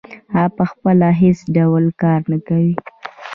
هغه پخپله هېڅ ډول کار نه کوي